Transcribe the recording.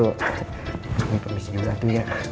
kami permisi juga tuh ya